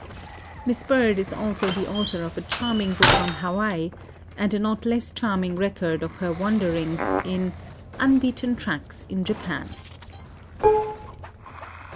Miss Bird is also the author of a charming book on Hawaii, and a not less charming record of her wanderings in "Unbeaten Tracks in Japan."